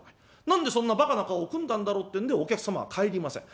何でそんなばかな顔を組んだんだろうってんでお客様は帰りません。